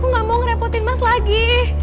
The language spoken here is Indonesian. aku gak mau ngerepotin mas lagi